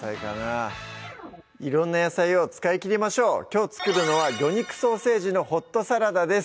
色んな野菜を使い切りましょうきょう作るのは「魚肉ソーセージのホットサラダ」です